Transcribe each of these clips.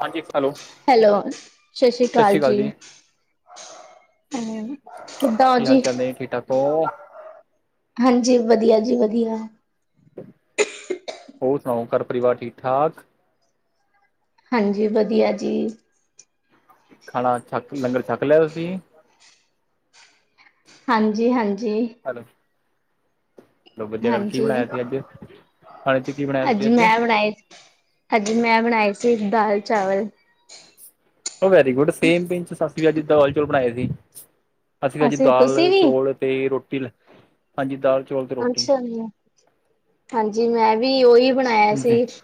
ਹਾਂਜੀ ਹੈਲੋ ਸਤਿ ਹੈਲੋ, ਸ਼ਸ਼ੀ ਅਕਾਲ ਜੀ। ਹੂੰ, ਕਿਦਾਂ ਔ ਕੀ ਹਾਲ ਜੀ? ਚਾਲ ਨੇ ਠੀਕ ਠਾਕ ਹੋ ਹਾਂਜੀ, ਵਧੀਆ ਜੀ ਵਧੀਆ। ਹੋਰ ਸੁਣਾਓ, ਘਰ -ਪਰਿਵਾਰ ਠੀਕ-ਠਾਕ? ਹਾਂਜੀ, ਵਧੀਆ ਜੀ। ਖਾਣਾ ਛੱਕ, ਲੰਗਰ ਛੱਕ ਲਿਆ ਤੁਸੀਂ? ਹਾਂਜੀ-ਹਾਂਜੀ। ਹੈਲੋ। ਲੋ ਬਜੇ ਅਗੱਲ [unintelligible] ਕੀ ਬਣਾਇਆ ਹਾਂਜੀ। ਸੀ ਅੱਜ? ਕੀ ਬਣਾਇਆ ਤੁਸੀਂ ਅੱਜ ਮੈਂ ਉਹ ਬਣਾਏ, ਅੱਜ ਮੈਂ ਬਣਾਏ ਸੀ ਦਾਲ-ਚਾਵਲ। ਉਹ, ਵੈਰੀ ਗੁੱਡ। Same pinch. ਅਸੀਂ ਵੀ ਅੱਜ ਦਾਲ- ਚੌਲ ਬਣਾਏ ਸੀ। ਅਸੀਂ ਅਜੀ ਵੀ ਤੁਸੀਂ ਦਾਲ- ਵੀ? ਚੋਲ ਤੇ ਰੋਟੀ ਹਾਂਜੀ, ਦਾਲ-ਚੌਲ। ਅੱਛਾ, [unintelligible] ਹਾਂਜੀ। ਜੀ ਮੈਂ ਵੀ ਓਹੀ ਬਣਾਇਆ ਸੀ, ਨਹੀਂ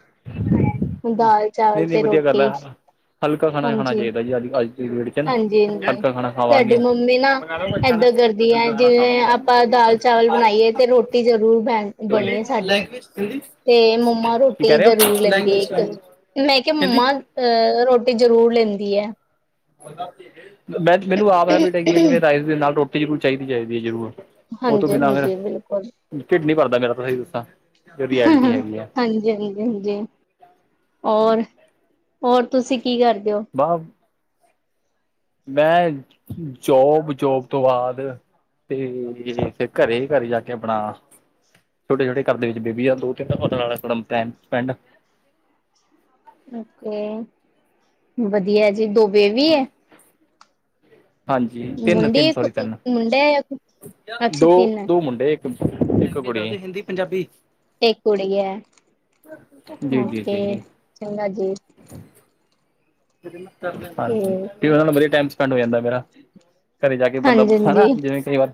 ਦਾਲ- ਚਾਵਲ ਨਹੀਂ ਤੇ ਵਧੀਆ ਗੱਲ ਆ ਰੋਟੀ। ਹਲਕਾ ਖਾਣਾ ਹੀ ਹੋਣਾ ਚਾਹੀਦਾ ਜੀ ਅਜ ਹਾਂਜੀ-ਹਾਂਜੀ। ਸਾਡੀ ਮੰਮੀ ਨਾ ਹਲਕਾ ਏਦਾਂ ਕਰਦੀ ਹੈ, ਖਾਣਾ ਜਿਵੇਂ ਖਾਵਾਂਗੇ ਆਪਾਂ ਦਾਲ ਚਾਵਲ ਤਾਂ ਬਣਾਈਏ, ਤੇ ਰੋਟੀ ਜਰੂਰ ਬ ਬਣਨੀ ਸਾਡੇ। ਹ [unintelligible] ਤੇ ਮੰਮਾ ਰੋਟੀ ਜ਼ਰੂਰ ਲੈਂਦੀ ਆ ਇੱਕ। ਲੈਂਗੁਏਜ ਮੈਂ ਕਿਹਾ, ਕਹਿੰਦੀ ਮੰਮਾ ਅ ਰੋਟੀ ਜ਼ਰੂਰ ਲੈਂਦੀ ਐ। ਮੈਂ, ਮੈਨੂੰ ਆਪ ਹੈਵੀਟ ਹੈਗੀ ਹੈ, ਜਿਵੇਂ ਰਾਈਸ ਦੇ ਨਾਲ ਰੋਟੀ ਜ਼ਰੂਰ ਚਾਹੀਦੀ- ਚਾਹੀਦੀ ਹੈ ਜ਼ਰੂਰ। ਉਹ ਤੋਂ ਹਾਂਜੀ ਬਿਨਾਂ ਮੇਰਾ ਹਾਂਜੀ ਬਿਲਕੁਲ ਢਿਡ ਨੀ ਭਰਦਾ ਮੇਰਾ। ਤਾਂ ਸਹੀ ਦੱਸਾਂ ਰਐਲਿਟੀ ਹੈਗੀ ਐ। ਹਾਂਜੀ-ਹਾਂਜੀ। ਹਾਂਜੀ, ਔਰ ਹੋਰ ਤੁਸੀਂ ਕੀ ਕਰਦੇ ਹੋ? ਬ [unintelligible] ਮੈਂ, ਜੋਬ-ਜੋਬ ਤੋਂ ਬਾਅਦ ਤੇ ਫਿਰ ਘਰੇ, ਘਰੇ ਜਾ ਕੇ ਆਪਣਾ ਛੋਟੇ- ਛੋਟ ਘਰ ਦੇ ਵਿੱਚ ਬੇਬੀ ਆ ਦੋ- ਤਿੰਨ [unintelligible] ਟਮ ਸਪੈਂ ਓਕੇ, ਵਧੀਆ ਜੀ। ਦੋ ਬੇਬੀ ਹੈ? ਹਾਂਜੀ, ਤਿੰਨ-ਤਿੰਨ ਮੁੰਡੀ ਸੋਰੀ ਤਿੰਨ ਮੁੰਡਾ ਹੈ ਅੱਛਾ ਦੋ, ਤਿੰਨ ਹੈ ਦੋ ਮੁੰਡੇ। ਇੱਕੜੀ [unintelligible] ਹਿੰਦੀ, ਪੰਜਾਬੀ ਇੱਕ ਕੁੜੀ ਹੈ। ਜੀ ਜੀ ਜੀ ਓਕੇ, ਜੀ ਚੰਗਾ ਜੀ। ਤੇ ਹਾਂਜੀ, ਉਨਾ ਨਾਲ ਵਧੀਆ ਟਾਈਮ ਸਪੈਂਡ ਹੋ ਜਾਂਦਾ ਮੇਰਾ। ਘਰੇ ਜਾ ਕੇ ਬੰਦਾ ਹਾਂਜੀ ਹਾਂਜੀ ਹਨਾ ਹਾਂਜੀ ਜਿਵੇਂ ਕਈ ਵਾਰ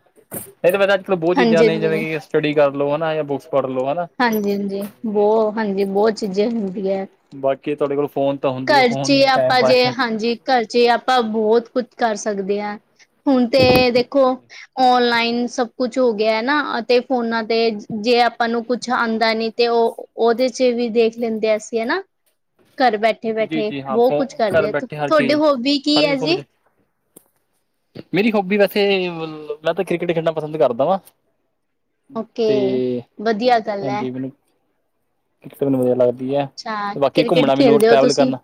ਇਹ ਤਾਂ ਬ ਤਾਂ ਅੱਜ- ਕੱਲ ਬਹੁਤ ਚੀਜ਼ਾਂ ਹਾਂਜੀ ਨੇ ਹਾਂਜੀ ਜਿਵੇਂ ਕਿ ਸਟੱਡੀ ਕਰ ਲੋ ਹਨਾ ਯਾ ਬੁੱਕਸ ਪੜ੍ਹ ਲੋ ਹਨਾ? ਹਾਂਜੀ-ਹਾਂਜੀ ਤੇ ਬੋਹ ਹਾਂਜੀ ਬੋਹਤ ਚੀਜ਼ਾਂ ਹੁੰਦੀਆਂ। ਬਾਕੀ, ਤੁਹਾਡੇ ਕੋਲ ਫੋਨ ਤਾਂ ਹੁੰਦੀ ਹੈ ਘਰ ਚ ਫੋਨ ਹੀ ਟਾਈਮ ਆਪਾਂ ਜੇ ਪਾਸ ਹਾਂਜੀ। ਘਰ ਚ ਆਪਾਂ ਬੋਹਤ ਕੁਛ ਕਰ ਸਕਦੇ ਹਾਂ ਹੁਣ ਤੇ ਦੇਖੋ ਓਨਲਾਈਨ ਸਭ ਕੁਛ ਹੋ ਗਿਆ ਹੈ ਨਾ ਅਤੇ ਫੋਨਾ ਤੇ ਜੇ ਆਪਾਂ ਨੂੰ ਕੁਛ ਆਂਦਾ ਨੀ ਤੇ ਔ ਉਹਦੇ ਚ ਵੀ ਦੇਖ ਲੈਂਦੇ ਅਸੀਂ ਹਨਾ, ਘਰ ਬੈ ਠੇ ਜੀ ਬੈਠੇ ਜੀ ਹਾਂ ਬੋਹ ਫੋ ਕੁਝ ਘਰ ਕਰਦੇ ਆ, ਬੈਠੇ ਹਰ ਤੁਹਾਡੇ ਚੀਜ਼ ਹੋਬੀ ਕੀ ਹਰ ਹੈ ਜੀ? ਇਨਫੋਰਮੇਸ਼ਨ [inaudible] ਮੇਰੀ ਹੋਬੀ ਵੈਸੇ ਮੈਂ ਤੇ ਕ੍ਰਿਕਟ ਖੇਲਨਾ ਪਸੰਦ ਕਰਦਾ ਵਾ। ਓਕੇ, ਵਧੀਆ ਗੱਲ ਐ। ਇੱਕ ਤੇ ਮੈਨੂੰ ਵਧੀਆ ਲੱਗਦੀ ਐ। ਅੱਛਾ ਕ੍ਰਿਕਟ ਖੇਲਦੇ ਹੋ ਵੱਲ ਤੁਸੀਂ? ਕਰਨਾ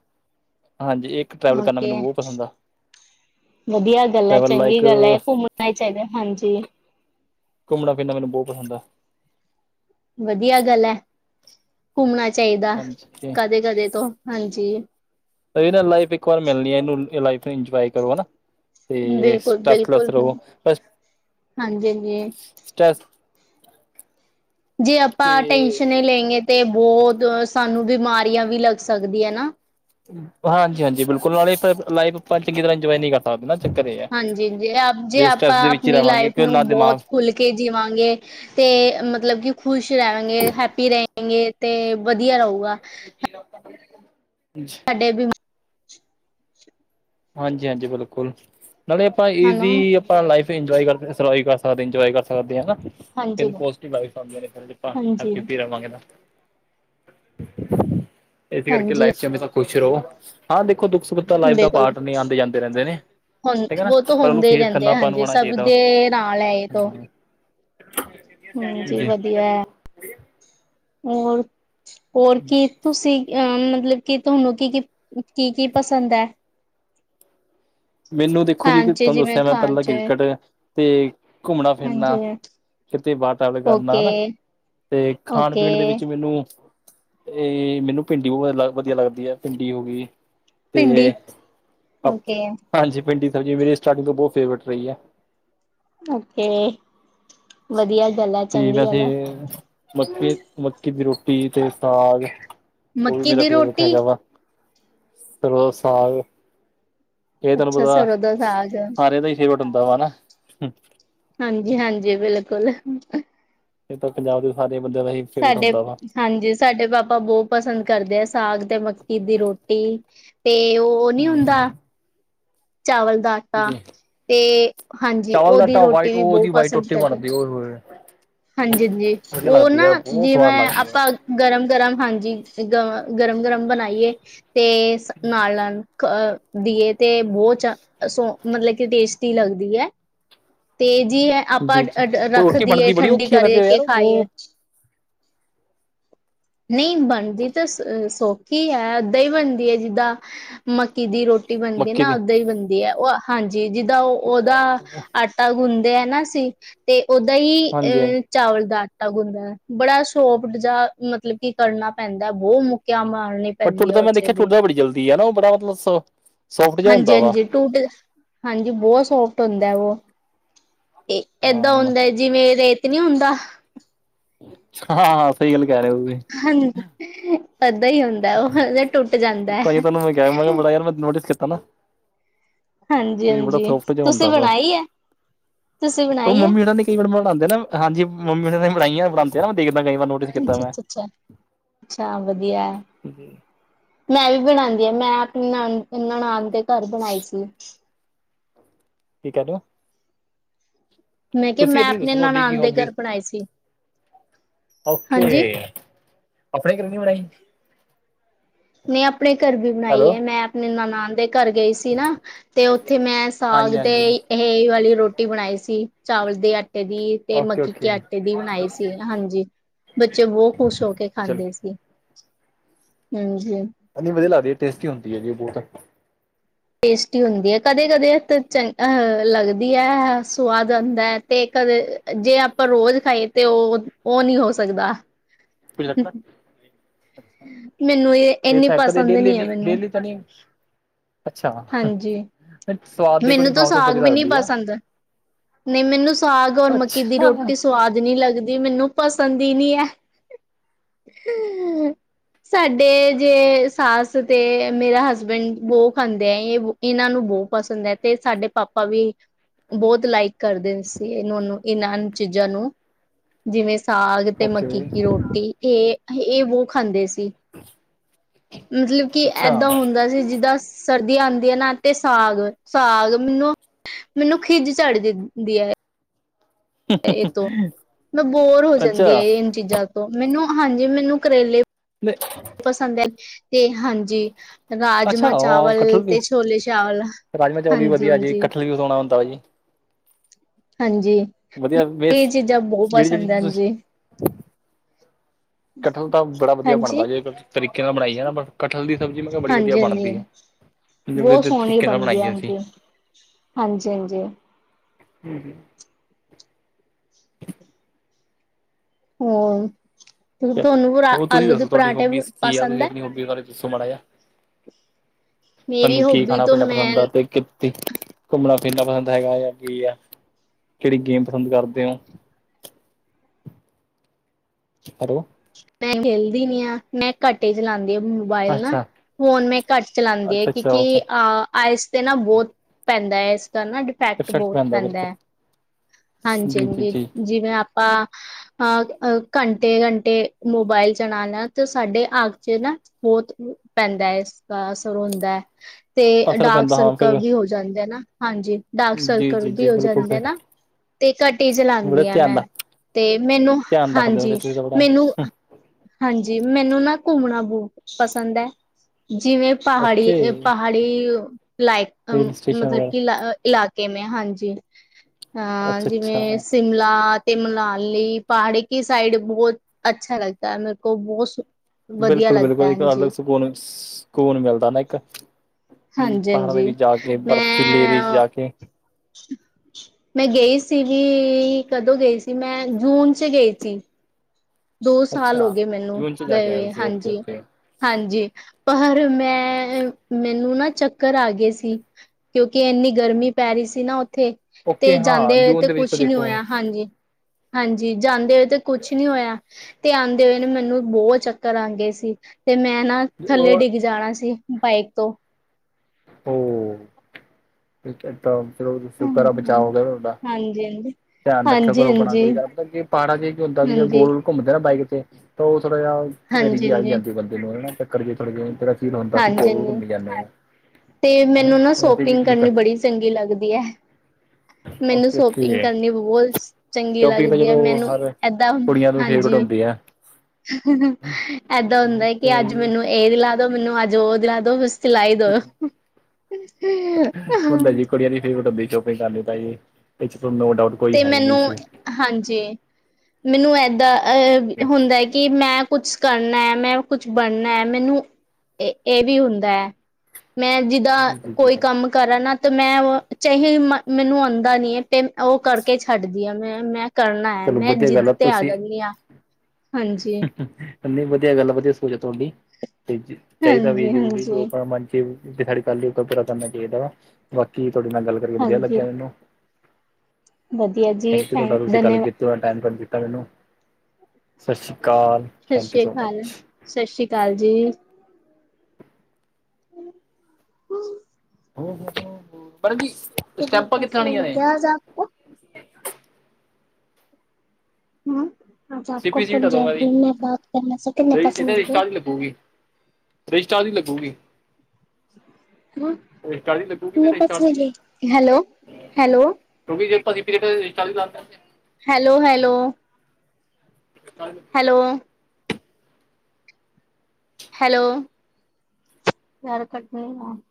ਹਾਂਜੀ ਇੱਕ ਟਰੈਵਲ ਕਰਨਾ ਓਕੇ ਮੈਨੂੰ ਬੋਹ ਪਸੰਦ ਐ। ਵਧੀਆ ਗੱਲ ਏ, ਚੰਗੀ ਲਾਈਕ ਗੱਲ ਏ ਘੁੰਮਣਾ ਚਾਹੀਦਾ ਹਾਂਜੀ। ਘੁੰਮਣਾ-ਫਿਰਨਾ ਮੈਨੂੰ ਬੋਹ ਪਸੰਦ ਹੈ। ਵਧੀਆ ਗੱਲ ਏ ਘੁੰਮਣਾ ਚਾਹੀਦਾ ਹਾਂਜੀ ਕਦੇ-ਕਦੇ ਤੋਂ ਹਾਂਜੀ। ਏਹ ਨਾ ਲਾਈਫ ਇੱਕ ਵਾਰ ਮਿਲਨੀ ਹੈ ਇਹਨੂੰ ਲਾਈਫ ਨੂੰ ਇੰਜੋਏ ਕਰੋ ਹਨਾ। ਤੇ ਬਿਲਕੁਲ ਸਟੈੱਸਲਸ ਬਿਲਕੁਲ ਰਵੋ ਬਸ ਹਾਂਜੀ ਹਾਂਜੀ ਸਟੈ ਜੇ ਤੇ ਆਪਾਂ ਟੈਨਸ਼ਨ ਨਈ ਲੈਂਗੇ ਤੇ ਬੌਤ ਸਾਨੂੰ ਬਿਮਾਰੀਆਂ ਵੀ ਲੱਗ ਸਕਦੀ ਹੈ ਨਾ। ਹਾਂਜੀ-ਹਾਂਜੀ ਬਿਲਕੁਲ ਨਾਲੇ ਇਕ ਲਾਈਫ [unintelligible] ਇੰਜੋਏ ਨੀ ਕਰ [unintelligible] ਚੱਕਰ ਏ। ਹਾਂਜੀ ਜੀ ਜੇ ਆਪਾਂ ਆਪਨੀ ਰਵਾਂਗੇ ਲਾਈਫ ਕਿ ਨੂੰ ਨਾ ਬੌਤ ਦਿਮਾਗ ਖੁੱਲ ਕੇ ਜੀਵਾਂਗੇ ਤੇ ਮਤਲਬ ਕਿ ਖ਼ੁਸ਼ ਰਹਵਾਂਗੇ, ਹੈਪੀ ਰਹਿਗੇ ਤੇ ਵਧੀਆ ਰਹੂਗਾ। [inaudible] ਸਾਡੇ ਬਿਮਾ ਹਾਂਜੀ-ਹਾਂਜੀ ਬਿਲਕੁਲ ਨਾਲੇ ਆਪਾਂ ਹਨਾ ਈਜੀ ਆਪਾਂ ਲਾਈਫ ਇੰਜੋਏ ਕਰ [unintelligible] ਸਕਦੇ ਇੰਜੋਏ ਕਰ ਸਕਦੇ ਹਨਾ। ਹਾਂਜੀ ਕਿੰਨੀ ਪੋਜੀਟਿਵ ਵਾਈਫ ਹਾਂ ਮੇਰੇ ਹਾਂਜੀ ਕੋਲ [unintelligible] ਇਸ ਕਰਕੇ ਹਾਂਜੀ ਲਾਈਫ ਚ ਹਮੇਸ਼ਾ ਖੁਸ਼ ਰਹੋ ਹਾਂ ਦੇਖੋ ਦੁੱਖ ਸੁੱ ਖ ਲਾਈਫ ਦਾ ਬਿਲਕੁਲ ਪਾਟ ਨੇ ਆਂਦੇ ਜਾਂਦੇ ਰਹਿੰਦੇ ਨੇ। ਹੁਣ ਠੀਕ ਹੈ ਨਾ ਉਹ ਤਾਂ ਪਰ ਉਹਨੂੰ ਹੁੰਦੇ ਹੀ ਫੇਸ ਰਹਿੰਦੇ ਕਰਨਾ ਆ ਆਪਾਂ ਨੂੰ ਹਾਂਜੀ ਆਉਣਾ ਸਭ ਚਾਹੀਦਾ ਵਾ। ਦੇ ਨਾਲ ਹੈ ਇਹ ਤੋਂ ਹਾਂਜੀ ਵਧੀਆ [unintelligible] ਜੀ। ਹੈ ਹੋਰ, ਹੋਰ ਕੀ? ਤੁਸੀਂ ਅ ਮਤਲਬ ਕੀ ਤੁਹਾਨੂੰ ਕੀ-ਕੀ, ਕੀ-ਕੀ ਪਸੰਦ ਐ। ਮੈਨੂੰ ਦੇਖੋ ਜੀ ਖਾਣ ਚ ਤੁਹਾਨੂੰ ਜਿਵੇਂ ਦੱਸਿਆ ਮੈਂ ਖਾਣ ਪਹਿਲਾਂ ਚ ਕ੍ਰਿਕਟ ਤੇ ਘੁੰਮਣਾ-ਫਿਰਨਾ ਹਾਂਜੀ ਕਿਤੇ ਵਾਤਾਵਰ ਕਰਨਾ ਓਕੇ ਹਨਾ। ਤੇ ਖਾਣ ਓਕੇ ਪੀਣ ਦੇ ਵਿੱਚ ਮੈਨੂੰ ਇਹ ਮੈਨੂੰ ਭਿੰਡੀ ਵਧੀਆ ਲੱਗਦੀ ਐ ਭਿੰਡੀ ਹੋ ਗੀ। ਭਿੰਡੀ ਤੇ ਓਕੇ ਹਾਂਜੀ ਭਿੰਡੀ ਸਬਜ਼ੀ ਮੇਰੀ ਸਟਾਰਟਿੰਗ ਤੋਂ ਬੋਹਤ ਫੇਵਰੇਟ ਰਹੀ ਐ। ਓਕੇ ਵਧੀਆ ਗੱਲ ਐ, ਚੰਗੀ ਗੱਲ ਐ। ਤੇ ਮੱਕੀ-ਮੱਕੀ ਦੀ ਰੋਟੀ ਤੇ ਸਾਗ ਔਵੀ ਮੱਕੀ ਮੇਰਾ ਦੀ ਫੇਵਰੇਟ ਰੋਟੀ ਹੈਗਾ ਵਾ। ਫੇਰ ਉਹ ਸਾਗ ਇਹ ਤੁਹਾਨੂੰ ਅੱਛਾ ਪਤਾ ਸਰੋਂ ਦਾ ਸਾਗ ਸਾਰਿਆਂ ਦਾ ਹੀ ਈ ਵੋਟ ਹੁੰਦਾ ਆ ਨਾਂ। ਹਾਂਜੀ ਹਾਂਜੀ, ਬਿਲਕੁਲ। ਇਹ ਤਾਂ ਪੰਜਾਬ ਦੇ ਸਾਰੇ ਬੰਦਿਆਂ ਦਾ ਹੀ ਫੇਵਰੇਟ ਸਾਡੇ ਹੁੰਦਾ ਵਾ ਹਾਂਜੀ ਸਾਡੇ ਪਾਪਾ ਬੋਤ ਪਸੰਦ ਕਰਦੇ ਆ, ਸਾਗ ਤੇ ਮੱਕੀ ਦੀ ਰੋਟੀ। ਤੇ ਓ ਨੀਂ ਹੁੰਦਾ ਹੂੰ ਚਾਵਲ ਦਾ ਤਾਂ ਜੀ। ਤੇ ਹਾਂਜੀ ਚਾਵਲ ਦਾ ਓਦੀ ਆਟਾ ਰੋਟੀ ਵਾਈਟ ਵੀ ਉਹ ਬੋਤ ਉਹਦੀ ਵਾਈਟ ਪਸੰਦ ਰੋਟੀ ਕਰਦਾ। ਬਣਦੀ ਓਏ ਹੋਏ ਹਾਂਜੀ ਹੰਜੀ, ਵਧੀਆ ਓ ਲੱਗਦੀ ਨਾ ਆ ਬਹੁਤ ਸਵਾਦ ਜਿਵੇਂ ਲੱਗਦੀ ਆ। ਆਪਾਂ ਗਰਮ-ਗਰਮ ਹਾਂਜੀ, ਜਿਦਾਂ ਗਰਮ-ਗਰਮ ਬਣਾਈ ਏ। ਤੇ ਨਾਲਣ ਅ ਦੀਏ ਤੇ ਬੋਤ ਚ ਸੋ ਮਤਲਬ ਕਿ ਟੇਸਟੀ ਲੱਗਦੀ ਐ ਤੇ ਜੀ ਆਪਾਂ ਜੀ ਜੀ ਅ ਡ ਉਹ ਰੱਖ ਰੋਟੀ ਦਈਏ ਬਣਦੀ ਬੜੀ ਠੰਡੀ ਔਖੀ ਹੈ ਵੈਸੇ ਕਰਕੇ ਯਾਰ ਉਹ ਖਾਈਏ। ਨਈਂ ਬਣਦੀ ਤਾਂ ਸ ਸੌਖੀ ਆ। ਏਦਾਂ ਈ ਬਣਦੀ ਏ ਜਿੱਦਾਂ ਮੱਕੀ ਦੀ ਰੋਟ ਰੋਟੀ ਬਣਦੀ ਏ ਮੱਕੀ ਨਾਂ। ਦੀ ਓਦਾਂ ਈ ਬਣਦੀ ਐ। ਓ ਹਾਂਜੀ ਜਿੱਦਾਂ ਓ ਓਦਾ ਆਟ ਆਟਾ ਗੁੰਣਦੇ ਆ ਨਾ ਅਸੀ ਤੇ ਓਦਾਂ ਈ ਹਾਂਜੀ ਹਾਂਜੀ। ਏ ਚਾਵਲ ਦਾ ਆਟਾ ਗੁੰਦਾ ਐ। ਬੜਾ ਸੋਫਟ ਜਿਆ ਮਤਲਬ ਕੀ ਕਰਨਾ ਪੈਂਦਾ ਬੋਤ ਮੁੱਕੀਆਂ ਮਾਰਣੀ। ਪਰ ਟੁੱਟਦਾ ਮੈਂ ਦੇਖਿਆ, ਟੁੱਟਦਾ ਬੜੀ ਜਲਦੀ ਐ ਨਾ ਓ ਬੜਾ ਮਤਲਬ ਸ ਸੋਫਟ ਜਿਹਾ ਹਾਂਜੀ, ਹੁੰਦਾ ਵਾ ਹਾਂਜੀ ਟੂਟ ਹਾਂਜੀ, ਬੋਤ ਸੋਫਟ ਹੁੰਦਾ ਓ। ਏ ਏਦਾਂ ਹਾਂ। ਹੁੰਦਾ ਜਿਵੇਂ ਰੇਤ ਨੀ ਹੁੰਦਾ। ਹਾਂ ਹਾਂ, ਸਈ ਗੱਲ ਕੈ ਰੇ ਓ ਤੁਸੀਂ। ਹਾਂਜੀ, ਏਦਾਂ ਈ ਹੁੰਦਾ ਓ, ਹ ਟੁੱਟ ਜਾਂਦਾ ਤਾਂ ਹੀ ਐ। ਤੁਹਾਨੂੰ ਮੈਂ ਕਿਹਾ ਮੈਂ ਕਿਹਾ ਬੜਾ ਯਾਰ ਮੈਂ ਨੋਟਿਸ ਕੀਤਾ ਨਾ। ਏ ਬੜਾ ਹਾਂਜੀ-ਹਾਂਜੀ, ਸੋਫਟ ਜਿਆ ਹੁੰਦਾ ਤੁਸੀਂ ਵਾ। ਬਣਾਈ ਐ? ਤੁਸੀਂ ਓ ਬਣਾਈ ਐ? ਮੰਮੀ ਹੁਣਾ ਨੇ ਕਈ ਵਾਰ ਬਣਾਂਦੇ ਨਾ ਹਾਂਜੀ। ਮੰਮੀ ਨੇ ਮੈਂ ਬਣਾਈਆਂ ਬਣਾਂਦੇ ਨਾਂ ਦੇਖਦਾ ਕਈ ਵਾਰ ਨੂੰ। ਅੱਛ ਅੱਛ ਅੱਛਾ, ਅੱਛਾ ਵਧੀਆ। ਮੈਂ ਵੀ ਬਣਾਦ ਦੀ। ਮੈਂ ਅਪਨੀ ਨਨ, ਨਨਾਨ ਦੇ ਘਰ ਬਣਾਈ ਸੀ। ਕੀ ਕਦੋ? ਮੈਂ ਕਿਹਾ ਤੁਸੀਂ ਮੈਂ ਆਪਣੀ ਆਪਣੇ ਦੱਸੋ। ਤੁਹਾਡੀ ਕੀ ਨਨਾਣ ਦੇ ਘਰ ਹੋਬੀਜ਼? ਬਣਾਈ ਸੀ, ਓਕੇ। ਹਾਂਜੀ, ਆਪਣੇ ਘਰੇ ਨੀਂ ਬਣਾਈ? ਨਈਂ ਆਪਣੇ ਘਰ ਵੀ ਬਣਾਈ ਹੈਲੋ ਐ। ਮੈਂ ਆਪਣੇ ਨਨਾਨ ਦੇ ਘਰ ਗਈ ਸੀ ਸੀ ਨਾ ਤੇ ਮੈਂ ਉੱਥੇ ਮੈਂ ਸਾਗ ਹਾਂਜੀ ਤੇ ਹਾਂਜੀ ਏ ਵਾਲੀ ਰੋਟੀ ਬਣਾਈ ਸੀ। ਚਾਵਲ ਦੇ ਆਟੇ ਦੀ। ਤੇ ਓਕੇ ਮੱਕੀ ਕੇ ਓਕੇ ਆਟੇ ਦੀ ਬਣਾਈ ਸੀ। ਹਾਂਜੀ। ਬੱਚੇ ਬੋਤ ਖੁਸ਼ ਹੋ ਕੇ ਚਲੋ ਖਾਂਦੇ ਸੀ। ਹਂ, ਹਂ। ਹਾਂਜੀ ਵਧੀਆ ਲਗਦੀ ਐ। ਟੇਸਟੀ ਹੁੰਦੀ ਐ ਜੀ ਬੋਤ। ਟੇਸਟੀ ਹੁੰਦੀ ਐ, ਕਦੇ-ਕਦੇ ਤੇ ਚੰਗ ਅ ਲੱਗਦੀ ਐ, ਸਵਾਦ ਆਂਦਾ ਐ, ਤੇ ਕਦੇ ਜੇ ਆਪਾਂ ਰੋਜ਼ ਖਾਈਏ ਤੇ ਓ, ਓ ਨਈਂ ਹੋ ਸਕਦਾ। [inaudible] ਮੈਨੂੰ ਇਹ ਏ ਇੰਨੀ ਤਾਂ ਕਦੇ ਪਸੰਦ ਡੇਲੀ ਨਹੀਂ ਹੈ ਨਈਂ, ਮੈਨੂੰ ਡੇਲੀ ਤਾਂ ਨਈਂ। ਅੱਛਾ। ਹਾਂਜੀ ਸਵਾਦ ਦੇ ਮੈਨੂੰ ਅਕੋਡਿੰਗ ਤਾਂ ਖਾਉ ਤੇ ਵਧੀਆ ਲੱਗਦੀ ਐ। ਨਈਂ, ਮੈਨੂੰ ਸਾਗ ਔਰ ਮੱਕੀ ਦੀ ਰੋਟੀ ਸਵਾਦ ਨੀਂ ਲੱਗਦੀ। ਮੈਨੂੰ ਪਸੰਦ ਈ ਨੀਂ ਐ। ਸਾਡੇ ਜੇ ਸੱਸ ਤੇ ਮੇਰਾ ਹਸਬੈਂਡ ਬੋ ਖਾਂਦੇ ਆ। ਇਨ੍ਹਾਂ ਨੂੰ ਬੋ ਪਸੰਦ ਐ ਤੇ ਸਾਡੇ ਪਾਪਾ ਵੀ ਓਹੀ। ਬੌਤ ਲਾਈਕ ਕਰਦੇ ਸੀ ਏਨੋ ਏਨਾਂ ਚੀਜ਼ਾਂ ਨੂੰ ਜਿਵੇਂ ਸਾਗ ਤੇ ਓਕੇ ਮੱਕੀ ਕੀ ਰੋਟੀ ਏ ਏ ਬੋ ਖਾਂਦੇ ਸੀ। [inaudible] ਮਤਲਬ ਕੀ ਅੱਛਾ ਐਦਾਂ ਹੁੰਦਾ ਸੀ ਜੀਦਾਂ ਸਰਦੀ ਆਦੀਆਂ ਨਾ ਤੇ ਸਾਗ, ਸਾਗ ਮੈਨੂੰ ਮੈਨੂੰ ਖੀਜ ਚੜ ਜਾ ਦੀਐ ਏ ਤੋਂ, ਮੈਂ ਬੋਰ ਹੋ ਜਾਂਦੀ ਆ ਅੱਛਾ ਏਨ ਚੀਜ਼ਾਂ ਤੋਂ ਮੈਨੂੰ ਹਾਂਜੀ ਮੈਨੂੰ ਕਰੇਲੇ [inaudible] ਪਸੰਦ ਐ, ਤੇ ਹਾਂਜੀ ਅੱਛਾ ਰਾਜਮਾਂ ਉਹ ਕਟਹਲ ਚਾਵਲ ਵੀ ਤੇ ਛੋਲੇ ਛਾਵਲ, ਹਾਂਜੀ-ਹਾਂਜੀ। ਸੌਣਾ ਹੁੰਦਾ ਦਾ ਜੀ ਹਾਂਜੀ, ਵਧੀਆ [unintelligible] ਏ ਵੇਸ ਚੀਜ਼ਾਂ ਬੌ ਜਿਹੜੀ ਪਸੰਦ ਜਿਹੜੀ ਐ ਤੁਸੀਂ ਜੀ ਕਟਲ ਤਾਂ ਬੜਾ ਵਦੀਆ ਬਣਦਾ ਹਾਂਜੀ ਜੇ ਤਰੀਕੇ ਨਾਲ ਬਣਾਈਏ ਨਾ ਕਟਲ ਦੀ ਸਬਜ਼ੀ ਮੈਂ ਕੇਆ ਬੜੀ ਵਧੀਆ ਹਾਂਜੀ ਹਾਂਜੀ ਬਣਦੀ ਐ, ਬਹੁਤ ਵਧੀਆ ਤਰੀਕੇ ਨਾਲ ਬਣਾਈਏ ਅਸੀਂ ਹਾਂਜੀ-ਹਾਂਜੀ। ਹਾਂਜੀ ਹੋਰ, ਕੀ ਤੋਆਨੂੰ ਹੋਰ ਤੁਸੀਂ ਆਲੂ ਦੇ ਦੱਸੋ ਤੁਹਾਡੀ ਪਰਾਂਠੇ ਹੋਬੀਜ਼ ਕੀ ਆ ਪਸੰਦ ਤੁਸੀਂ ਐ? ਆਪਣੀ ਹੋਬੀ ਬਾਰੇ ਦੱਸੋ ਮਾੜਾ ਜਾ, ਮੇਰੀ ਧਾਨੂੰ ਕੀ ਹੋਬੀ ਤੋਂ ਖਾਣਾ-ਪੀਣਾ ਮੈਂ ਪਸੰਦ ਆ ਤੇ ਕੀ ਤੇ, ਘੁੰਮਣਾ-ਫੇਰਨਾ ਪਸੰਦ ਹੈਗਾ ਜਾਂ ਕੀ ਆ, ਕੇੜੀ ਗੇਮ ਪਸੰਦ ਕਰਦੇ ਓ? ਹੈਲੋ ਮੈਂ ਖੇਲਦੀ ਨੀ ਆ ਮੈਂ ਘਾਟੇ ਈ ਚਲਾਂਦੀ ਆ ਮੂ ਬਾਈਲ ਨਾ ਅੱਛਾ ਫੋਨ ਮੈਂ ਘੱਟ ਚਲਾਂਦੀ ਆ ਅੱਛਾ ਕੇਕੀ ਅੱਛਾ ਆ ਆਈਸ ਤੇ ਨਾ ਬੋ ਪੈਂਦਾ ਏਦਾ ਨਾ ਡੀਫੈਕਟ ਇਫੈਕਟ ਬੋ ਪੈਂਦਾ ਬਿਲਕੁਲ ਐ ਜੀ ਜੀ ਹਾਂਜੀ-ਹਾਂਜੀ ਜੀ ਜੀਵੇਂ ਆਪਾਂ ਹਾਂ ਆ ਘੰਟੇ-ਘੰਟੇ ਮੋਬਾਈਲ ਚਲਾਣਾ ਤੇ ਸਾਡੇ ਆਖ ਚ ਨਾ ਬੋਤ ਪੈਂਦਾ ਐ ਏਦਾ ਅਸਰ ਹੁੰਦਾ ਐ ਤੇ ਅਸਰ ਡਾਰਕ ਪੈਂਦਾ ਹਾਂ ਸਰਕਲ ਫਿਰ ਵੀ ਹੋ ਜਾਂਦੇ ਨਾ ਹਾਂਜੀ ਡਾਰਕ ਜੀ ਸਰਕਲ ਜੀ ਵੀ ਜੀ ਹੋ ਬਿਲਕੁਲ ਜਾਂਦੇ ਆ ਤੇ ਨਾ ਘਟੀ ਈ ਬੜੇ ਚਲਾਂਦੀ ਆ ਧਿਆਨ ਮੈਂ, ਦਾ ਤੇ ਮੇਨੂੰ ਧਿਆਨ ਰੱਖਦੇ ਹੋ ਹਾਂਜੀ ਤੁਸੀਂ ਤਾਂ ਬੜਾ ਮੇਨੂੰ ਹਾਂਜੀ ਮੈਨੂੰ ਨਾ ਘੂਮਣਾ ਬੋ ਪਸੰਦ ਏ ਜੀਵੇਂ ਪਹਾੜੀ ਏ ਓਕੇ ਪਹਾੜੀ ਲਾ ਉ ਅ ਹਿਲ ਸਟੇਸ਼ਨ ਮਤਲਬ ਵਗੈਰਾ ਕੀ ਲਾ ਈਲਾਕੇ ਨੇ ਹਾਂਜੀ ਹਾਂ ਅੱਛਾ ਜੀਵੇਂ ਅੱਛਾ ਸੀਮਲਾ ਤੇ ਮਨਾਲੀ ਪਹਾੜੀ ਕੀ ਸਾਈਡ ਬਹੋ ਅੱਛਾ ਲਗਤਾ ਹੈ ਮੇਰੇ ਕੋ ਬੌ ਸਕੂ ਬੇਲਕੁਲ-ਬੇਲਕੁਲ ਏਕ ਅਲਗ ਸਕੂਨ ਸਾਕੂਨ ਮੇਲਦਾ ਨਾ ਏਕ। ਹਾਂਜੀ ਪਹਾੜਾਂ ਦੇ ਹਾਂਜੀ ਵਿੱਚ ਜਾ ਕੇ ਬਰਫ਼ੀ ਏਰੀਏ ਚ ਮੈਂ ਜਾ ਕੇ ਮੈਂ ਗਈ ਸੀ ਵੀ ਕਦੋਂ ਗਈ ਸੀ ਮੈਂ ਜੂਨ ਚ ਗਈ ਸੀ ਦੋ ਸਾਲ ਹੋ ਅੱਛਾ ਗਏ ਮੈਨੂੰ ਜੂਨ ਚ ਜਾ ਗਏ ਕੇ ਆਏ ਹੋਏ ਤੁਸੀਂ ਓਕੇ ਹਾਂਜੀ ਓਕੇ ਹਾਂਜੀ ਪਰ ਮੈਂ ਮੈਨੂੰ ਨਾ ਚੱਕਰ ਆ ਗਏ ਸੀ ਕਿਉਂਕੀ ਐਨੀ ਗਰਮੀ ਪੈ ਰੀ ਸੀ ਨਾ ਓਥੇ ਤੇ ਓਕੇ ਹਾਂ ਜਾਂਦੇ ਹੋਏ ਜੂਨ ਤੇ ਦੇ ਵਿੱਚ ਤਾਂ ਕੁਛ ਨੀ ਦੇਖੋ ਹੋਏਆ ਹਾਂਜੀ, ਹਾਂਜੀ ਜਾਂਦੇ ਹੋਏ ਤੇ ਕੁਛ ਨੀ ਹੋਏਆ ਤੇ ਆਂਦੇ ਹੋਏ ਨੇ ਮੈਨੂੰ ਬੋ ਚੱਕਰ ਆ ਗਏ ਸੀ ਤੇ ਮੈਂ ਨਾ ਥੱਲੇ ਉਹ ਡੀਗ ਜਾਣਾ ਸੀ ਬਾਈਕ ਤੋਂ ਹੋ ਲੋ [unintelligible] ਸ਼ੁਕਰ ਆ ਬਚਾ ਹਮ। ਹੋ ਗੇ ਢੋਡਾ? ਹਾਂਜੀ ਹਾਂਜੀ ਧੇਆਨ ਰੱਖੇਓ ਹਾਂਜੀ ਕਰੋ ਆਪਣਾ ਹਾਂਜੀ ਕੋਈ ਗੱਲ ਹਾਂਜੀ। ਮਤਲਬ ਜੇ ਪਾੜਾ ਚ ਕੀ ਹੁੰਦਾ ਵੀ ਹਾਂਜੀ ਗੋਲ ਘੁੰਮਦੇ ਨਾ ਬਾਈਕ ਤੇ ਤਾਂ ਉਹ ਥੋੜਾ ਜਿਹਾ ਘੁਮੇਰੀ ਹਾਂਜੀ ਆ ਜਾਂਦੀ ਹੈ ਬੰਦੇ ਨੂੰ ਹਨਾ ਚੱਕਰ ਜੇ ਥੋੜੇ ਜ। ਫਿਰ ਹੁੰਦਾ ਕਿ ਹਾਂਜੀ ਗੋਲ ਹਾਂਜੀ ਘੁੰਮੀ ਜਾਂਦੇ ਹੋ ਤੇ ਹੰਨ ਮੈਨੂੰ ਨਾ ਅਸੀ‌ ਸ਼ੋਪਿੰਗ ਠੀਕ ਕਰਨੀ ਹੈ। ਬੜੀ ਚੰਗੀ ਲੱਗਦੀ ਹੈ। ਹ। ਮੈਨੂੰ ਓਖੀ ਸ਼ੋਪਿੰਗ ਓ ਕਰਨੀ ਬਹੁਤ ਚੰਗੀ ਟੋਪੀ ਤਾਂ ਲੱਗਦੀ ਹੈ ਜਦੋਂ ਮੈਨੂੰ ਹਰ ਏਦਾਂ ਕੁੜੀਆਂ ਤੋਂ ਫੇਵਰੇਟ ਹਾਂਜੀ ਹੁੰਦੀ ਆ। ਹ। ਏਦਾਂ ਹੁੰਦਾ ਹੈ ਕਿ ਅੱਜ ਮੈਨੂੰ ਇਹ ਦਿਲਾ ਦੋ ਮੈਨੂੰ ਅੱਜ ਉਹ ਦਿਲਾ ਦੋ ਬਸ। ਸਲਾਈ ਦ। ਹੁੰਦਾ ਜੀ ਕੁੜੀਆਂ ਦੀ ਫੇਵਰਟ ਡੱਬੀ ਚ। No doubt. ਤੇ ਮੈਨੂੰ ਹਾਂਜੀ ਮੈਨੂੰ ਇਦਾਂ ਅਹ ਹੁੰਦਾ ਕਿ ਮੈਂ। ਕੁਛ ਕਰਨਾ ਹੈ। ਮੈਂ ਕੁਛ ਬਣਨਾ ਹੈ। ਮੈਨੂੰ ਇਹ ਇਹ ਵੀ ਹੁੰਦਾ ਹੈ। ਮੈਂ ਜ਼ਿਦ। ਦਾ ਕੋਈ ਕੰਮ ਕਰਾ ਨਾ ਤੇ ਮੈਂ ਉਹ ਚਾਹੀ ਮੈਨੂੰ ਆਉਂਦਾ ਨੀ ਹੈ। ਤੇ ਉਹ। ਕਰਕੇ ਛੱਡਦੀ ਆ ਮੈਂ ਮੈਂ ਕਰਨਾ ਹੈ। ਚਲੋ ਮੈਂ ਵਧੀਆ ਜਿੱਦ ਗੱਲ ਤੇ ਆ ਜਾਂਦੀ ਹਾਂ ਹਾਂਜੀ। ਹਾਂਜੀ ਵਧੀਆ ਗੱਲ ਵਧੀਆ ਸੋਚ ਹੈ। ਤੁਹਾਡੀ ਤੇ ਚਾਹੀਦਾ ਵੀ ਹਾਂਜੀ ਜਰੂਰੀ ਜੋ ਹਾਂਜੀ ਆਪਣਾ ਮਨ ਚ। ਸਾਡੀ ਕੱਲ ਹੀ ਉ ਪੂਰਾ ਕਰਨਾ ਚਾਹੀਦਾ ਵਾਕੇ ਬਾਕੀ ਤੁਹਾਡੇ ਨਾਲ ਗੱਲ ਕਰਕੇ ਵਧੀਆ ਹਾਂਜੀ ਲੱਗਿਆ ਮੈਨੂੰ। ਵਧੀਆ ਜੀ ਥੈਂਕ ਧੰਨਵਾਦ। ਜ਼ਰਾ ਟਾਈਮ ਕਰ ਦਿੱਤਾ ਮੈਨੂੰ ਸਤਿ ਸ਼੍ਰੀ ਅਕਾਲ। ਸਤਿ ਥੈਂਕ ਯੂ ਸ੍ਰੀ ਸੋ ਅਕਾਲ ਮਚ। ਸਤਿ ਸ਼੍ਰੀ ਅਕਾਲ ਜੀ। ਹਮ। ਹ ਪਰ ਵੀ। ਕਿਤਨ ਪੈਸੇ ਹੈ ਨੇਗਿਆ ਆਜ ਆਪ ਕੋ। ਸਪੀ ਸੀਟ ਆ ਦੋਗਾੀ ਇਥੇਤਾ ਲੱਗੂਗੀ। ਥਰੀ ਸਟਾਰ ਦੀ ਲੱਗੂਗੀ। ਰਜਿਸਟਾਰ ਦੀ ਲੱਗੂਗੀ ਤੇ ਰਜਿਸਟਾਰ ਦੀ ਹੈਲੋ ਹੈਲੋ। ਚ ਜੇ ਪ ਚਾਲੀ ਹਜ਼। Hello hello. ਹੈਲੋ। ਹੈਲੋ ਯਾਰ ਕਟਨਾ ਈ ਫੋਨ।